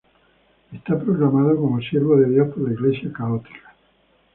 Está proclamado como Siervo de Dios por la Iglesia Católica.